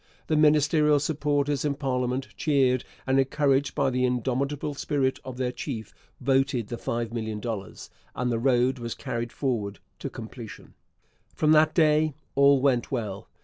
The ministerial supporters in parliament, cheered and encouraged by the indomitable spirit of their chief, voted the $5,000,000, and the road was carried forward to completion. From that day all went well.